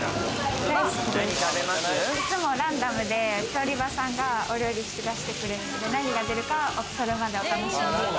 いつもランダムで調理場さんがお料理してくれるので何が出るかはそれまでお楽しみ。